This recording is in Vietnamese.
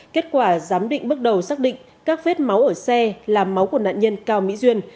kết quả giám định bước đầu xác định các vết máu ở xe là máu của nạn nhân cao mỹ duyên